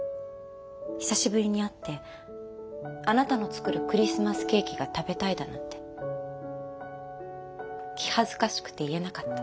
久しぶりに会ってあなたの作るクリスマスケーキが食べたいだなんて気恥ずかしくて言えなかった。